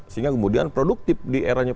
sehingga kemudian produktif di eranya